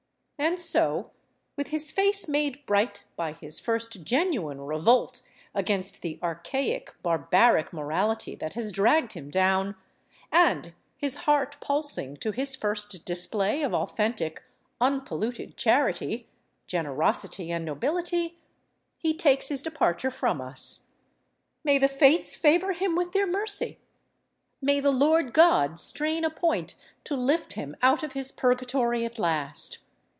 And so, with his face made bright by his first genuine revolt against the archaic, barbaric morality that has dragged him down, and his heart pulsing to his first display of authentic, unpolluted charity, generosity and nobility, he takes his departure from us. May the fates favor him with their mercy! May the Lord God strain a point to lift him out of his purgatory at last!